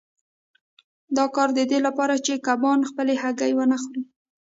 دا کار د دې لپاره دی چې کبان خپلې هګۍ ونه خوري.